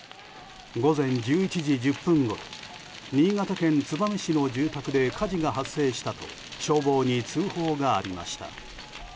午前１１時１０分ごろ新潟県燕市の住宅で火事が発生したと消防に通報がありました。